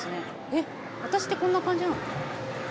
えっ私ってこんな感じなの？